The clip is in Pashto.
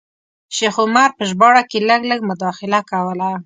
شیخ عمر په ژباړه کې لږ لږ مداخله کوله.